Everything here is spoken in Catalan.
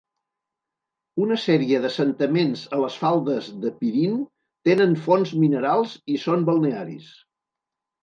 Una sèrie d'assentaments a les faldes de Pirin tenen fonts minerals i són balnearis.